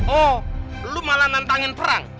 oh lu malah nantangin perang